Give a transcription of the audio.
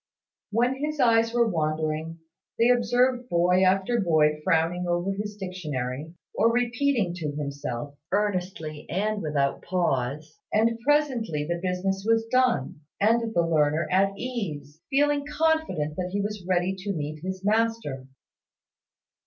When his eyes were wandering, they observed boy after boy frowning over his dictionary, or repeating to himself, earnestly and without pause; and presently the business was done, and the learner at ease, feeling confident that he was ready to meet his master.